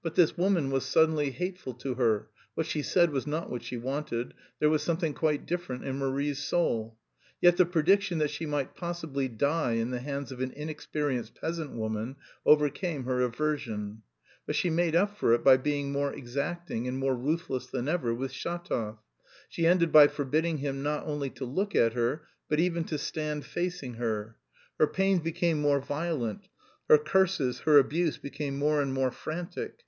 But this woman was suddenly hateful to her, what she said was not what she wanted, there was something quite different in Marie's soul. Yet the prediction that she might possibly die in the hands of an inexperienced peasant woman overcame her aversion. But she made up for it by being more exacting and more ruthless than ever with Shatov. She ended by forbidding him not only to look at her but even to stand facing her. Her pains became more violent. Her curses, her abuse became more and more frantic.